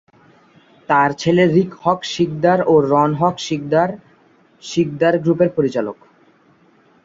তার ছেলে রিক হক সিকদার ও রন হক সিকদার সিকদার গ্রুপের পরিচালক।